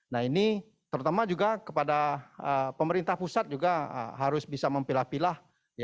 nah ini terutama juga kepada pemerintah pusat juga harus bisa memilah pilah